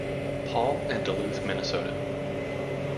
Paul and Duluth, Minnesota.